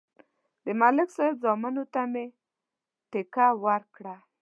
د ملک صاحب زامنو ته مې ټېکه ورکړه